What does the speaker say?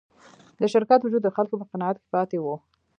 د شرکت وجود د خلکو په قناعت کې پاتې و.